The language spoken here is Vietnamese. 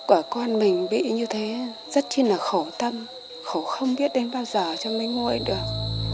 quả con mình bị như thế rất chi là khổ tâm khổ không biết đến bao giờ cho mới ngồi được